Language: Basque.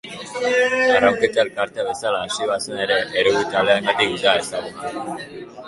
Arraunketa elkarte bezala hasi bazen ere errugbi taldearengatik da ezaguna.